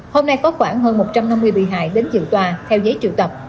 hôm nay có khoảng hơn một trăm năm mươi bị hại đến dự tòa theo giấy triệu tập